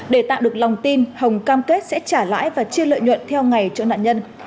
để tạo được lòng tin hồng cam kết sẽ trả lãi và chia lợi nhuận theo ngày cho nạn nhân